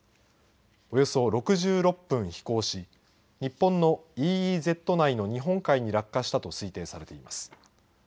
およそ６６分飛行し日本のＥＥＺ内の日本海に落下したと推定されています。